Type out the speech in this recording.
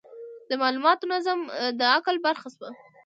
د مالوماتو نظم د عقل برخه شوه.